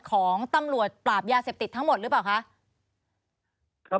ของตำรวจปราบยาเสพติดทั้งหมดหรือเปล่าคะ